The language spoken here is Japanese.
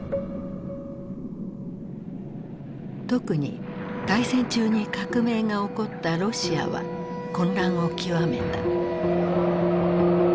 特に大戦中に革命が起こったロシアは混乱を極めた。